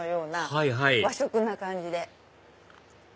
はいはい和食な感じで。